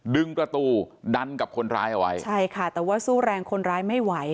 ดึงประตูดันกับคนร้ายเอาไว้ใช่ค่ะแต่ว่าสู้แรงคนร้ายไม่ไหว